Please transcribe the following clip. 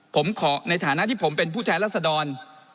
ผมขอในฐานะที่ผมเป็นผู้แทนรัศดร